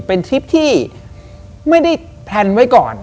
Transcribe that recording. เป็นทริปที่ไม่ได้แพลนไว้ก่อน